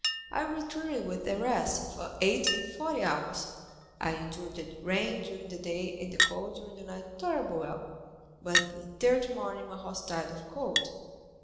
I retreated with the rest, for eight and forty hours. I endured the rain during the day, and the cold during the night tolerably well, but the third morning my horse died of cold.